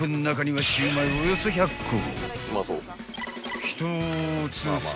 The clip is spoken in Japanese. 中にはシウマイおよそ１００個］